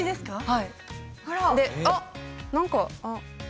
はい。